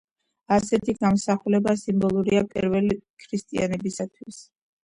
ასეთი გამოსახულება სიმბოლურია პირველი ქრისტიანებისათვის.